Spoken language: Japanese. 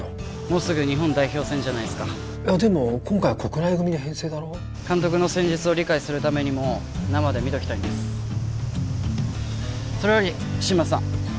もうすぐ日本代表戦じゃないすかでも今回は国内組で編成だろ？監督の戦術を理解するためにも生で見ときたいんですそれより新町さん